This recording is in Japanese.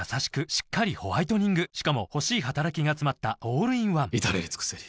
しっかりホワイトニングしかも欲しい働きがつまったオールインワン至れり尽せり